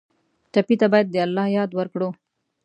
ټپي ته باید د الله یاد ورکړو.